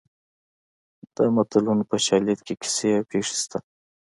د متلونو په شالید کې کیسې او پېښې شته